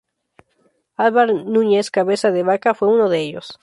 Álvar Núñez Cabeza de Vaca fue uno de ellos.